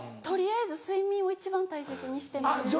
取りあえず睡眠を一番大切にしてます。